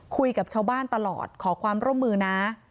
คุยกับชาวบ้านตลอดขอความร่วมมือนะ